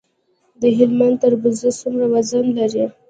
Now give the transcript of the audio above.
د هلمند تربوز څومره وزن لري؟